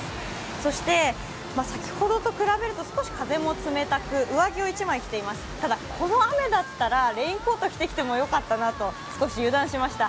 そして、先ほどと比べると少し風も冷たく、上着を一枚着ています、だたこの雨だったらレインコート着てきてもよかったなと、少し油断しました。